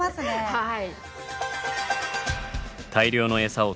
はい。